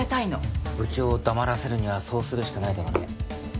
部長を黙らせるにはそうするしかないだろうね。